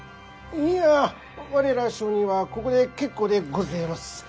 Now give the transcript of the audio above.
いんや我ら商人はここで結構でごぜえます。